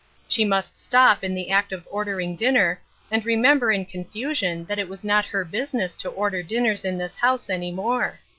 She must stop in the act of ordering dinner, and remember in confusion that it was not her busi ness to order dinners in this house any more.